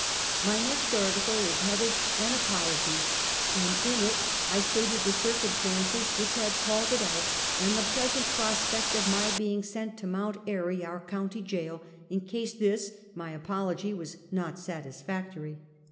My next article was headed "An Apology," and in it I stated the circumstances which had called it out, and the pleasant prospect of my being sent to Mount Airy (our county jail) in case this, my apology, was not satisfactory.